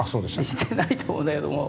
してないと思うんだけども。